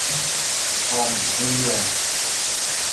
我唔知喎